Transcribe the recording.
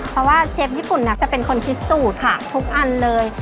เพราะว่าเชฟญี่ปุ่นเนี่ยจะเป็นคนครีสสูตรทุกอันเลย